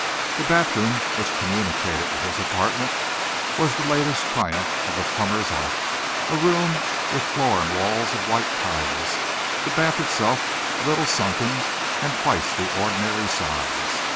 The bathroom which communicated with his apartment was the latest triumph of the plumber's art a room with floor and walls of white tiles, the bath itself a little sunken and twice the ordinary size.